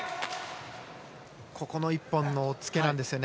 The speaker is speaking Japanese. ここの１本のつけなんですよね。